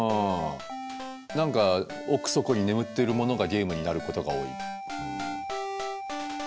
何か奥底に眠ってるものがゲームになることが多い。